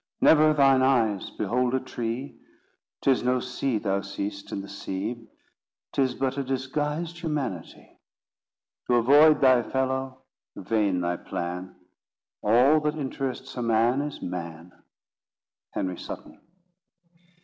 Never thine eyes behold a tree; 'Tis no sea thou seest in the sea, 'Tis but a disguised humanity. To avoid thy fellow, vain thy plan; All that interests a man, is man." HENRY SUTTON.